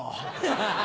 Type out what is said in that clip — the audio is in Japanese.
ハハハ。